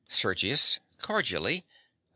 SERGIUS. (cordially).